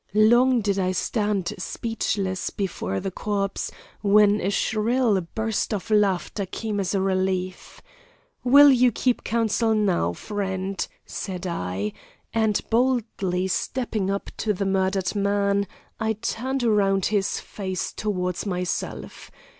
Long did I stand speechless before the corse, when a shrill burst of laughter came as a relief. 'Will you keep counsel now, friend?' said I, and boldly stepping up to the murdered man, I turned round his face towards myself.